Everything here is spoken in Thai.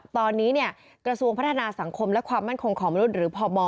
ตอนนี้กระทรวงพัฒนาสังคมและความมั่นคงของมนุษย์หรือพม